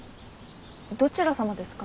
どちら様ですか？